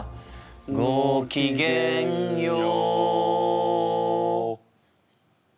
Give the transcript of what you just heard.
「ごきげんよう！」